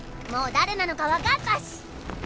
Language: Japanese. もう誰なのか分かったし。